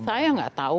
saya nggak tahu